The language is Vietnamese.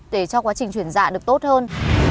để cho quá trình chuyển dạ được tốt hơn